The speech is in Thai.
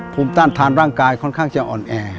ภูมิต้านทานร่างกายค่อนข้างจะอ่อนแอ